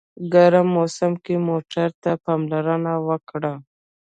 ګرم موسم کې موټر ته پاملرنه وکړه.